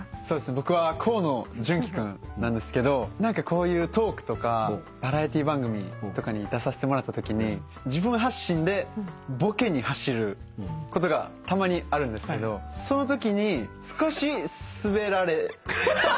僕は河野純喜君なんですけどこういうトークとかバラエティー番組とかに出させてもらったときに自分発信でボケに走ることがたまにあるんですけどそのときに少しスベられ。